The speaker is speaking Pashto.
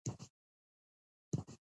آیا که موږ وغواړو؟